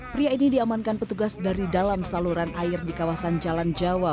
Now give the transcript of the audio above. pria ini diamankan petugas dari dalam saluran air di kawasan jalan jawa